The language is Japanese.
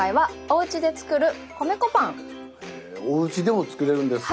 おうちでもつくれるんですか？